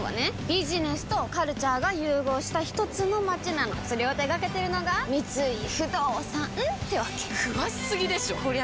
ビジネスとカルチャーが融合したひとつの街なのそれを手掛けてるのが三井不動産ってわけ詳しすぎでしょこりゃ